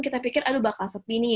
kita pikir aduh bakal sepi nih